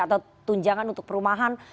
atau tunjangan untuk perumahan